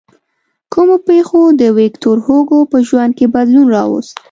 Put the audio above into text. کومو پېښو د ویکتور هوګو په ژوند کې بدلون راوست.